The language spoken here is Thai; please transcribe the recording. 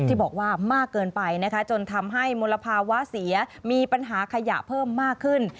ที่บอกว่ามากเกินไปนะคะจนทำให้มลภาวะเสียมีปัญหาขยะเพิ่มมากขึ้น